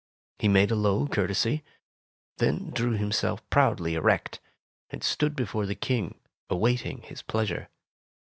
He made a low courtesy, then drew himself proudly erect, and stood before the King, awaiting his pleasure.